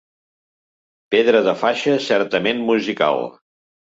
Pedra de faixa certament musical.